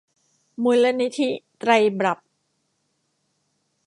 มูลนิธิไตรบรรพ